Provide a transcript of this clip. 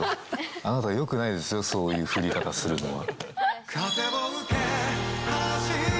あなた、よくないですよ、そういう振り方するのは。